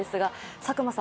佐久間さん